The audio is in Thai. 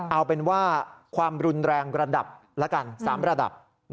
เอาเป็นว่าความรุนแรงระดับละกัน๓ระดับ